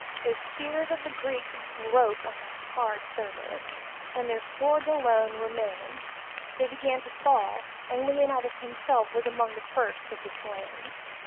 The spears of the Greeks broke under hard service, and their swords alone remained; they began to fall, and Leonidas himself was among the first of the slain.